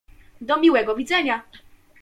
"Do miłego widzenia."